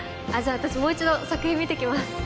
私もう一度作品見てきます